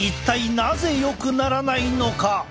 なぜよくならないのか？